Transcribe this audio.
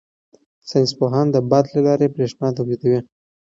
ساینس پوهان د باد له لارې بریښنا تولیدوي.